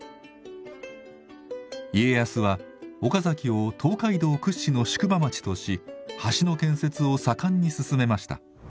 家康は岡崎を東海道屈指の宿場町とし橋の建設を盛んに進めました。